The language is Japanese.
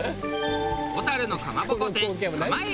小樽のかまぼこ店かま栄さん